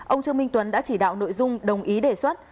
ông trương minh tuấn đã chỉ đạo nội dung đồng ý đề xuất